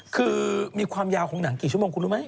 คือมีความยาวของหนังกี่ชั่วโมงคุณรู้ไหม